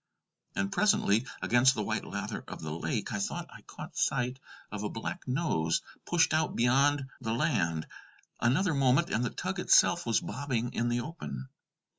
And presently, against the white lather of the lake, I thought I caught sight of a black nose pushed out beyond the land. Another moment, and the tug itself was bobbing in the open.